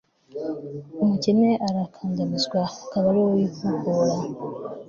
umukene arakandamizwa, akaba ari we wihohora